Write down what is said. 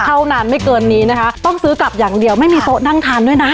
เท่านั้นไม่เกินนี้นะคะต้องซื้อกลับอย่างเดียวไม่มีโต๊ะนั่งทานด้วยนะ